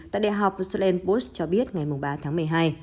tại đại học st louis cho biết ngày ba tháng một mươi hai